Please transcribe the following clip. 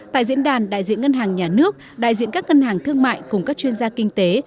tại diễn đàn đại diện ngân hàng nhà nước đại diện các ngân hàng thương mại cùng các chuyên gia kinh tế